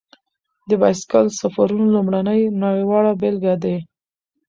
د بایسکل سفرونو لومړنی نړیواله بېلګه دی.